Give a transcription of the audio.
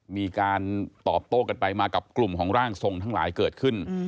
มีการตอบโต้กันไปมากับกลุ่มของร่างทรงทั้งหลายเกิดขึ้น